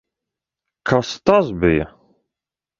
Kas tas bija?